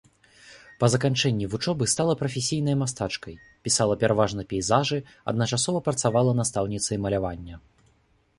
Па заканчэнні вучобы стала прафесійнай мастачкай, пісала пераважна пейзажы, адначасова працавала настаўніцай малявання.